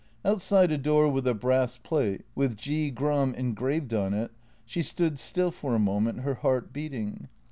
Outside a door with a brass plate, with " G. Gram " engraved on it; she stood still for a moment, her heart beating.